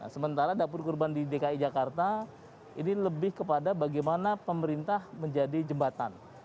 sementara dapur kurban di dki jakarta ini lebih kepada bagaimana pemerintah menjadi jembatan